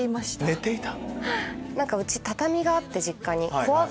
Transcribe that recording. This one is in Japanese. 寝ていた⁉